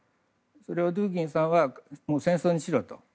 それをドゥーギンさんは戦争にしろと。